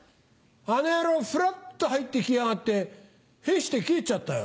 あの野郎ふらっと入って来やがって屁して帰ぇっちゃったよ。